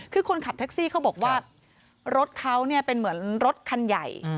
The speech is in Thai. คือคนขับแท็กซี่เขาบอกว่ารถเขาเนี่ยเป็นเหมือนรถคันใหญ่